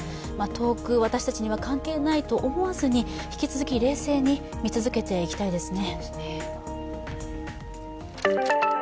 遠く、私たちには関係ないと思わずに引き続き冷静に見続けていきたいですね。